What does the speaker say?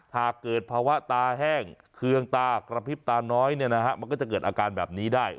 หากเกิดภาวะตาแห้งเคืองตากระพริบตาน้อยมันก็จะเกิดอาการแบบนี้ได้